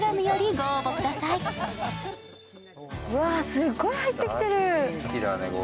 うわ、すっごい入ってきてる。